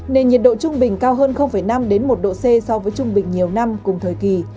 nền nhiệt độ trung bình cao hơn năm một độ c so với trung bình nhiều năm cùng thời kỳ